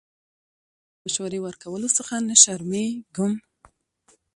زه له مشورې ورکولو څخه نه شرمېږم.